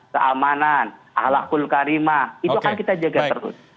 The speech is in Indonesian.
keamanan ahlakul karimah itu akan kita jaga terus